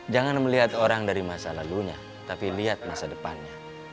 jangan melihat orang dari masa lalunya tapi lihat masa depannya